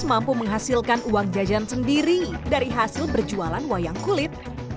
mampu menghasilkan uang jajan sendiri dari hasil berjualan wayang kulit